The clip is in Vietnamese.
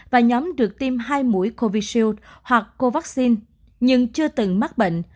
và nhóm được tiêm hai mũi covid một mươi chín hoặc covaxin nhưng chưa từng mắc bệnh